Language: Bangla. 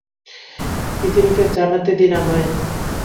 পৃথিবীকে জানাতে দিন আমায়!